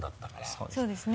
そうですね。